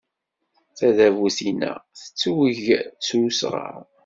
Tadabut-inna tettweg s usɣar.